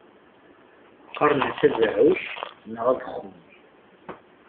Qqaren-as abɛuc neɣ abexxuy.